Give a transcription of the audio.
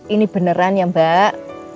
ini beneran ya mbak